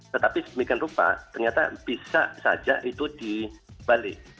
tetapi sedemikian rupa ternyata bisa saja itu dibalik